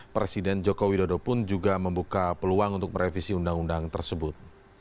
presiden joko widodo pun juga membuka peluang untuk merevisi undang undang tersebut